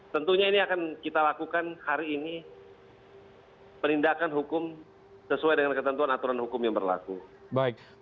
tentunya ini akan kita lakukan hari ini penindakan hukum sesuai dengan ketentuan aturan hukum yang berlaku